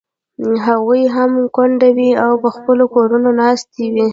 هغوی هم کونډې وې او په خپلو کورونو ناستې وې.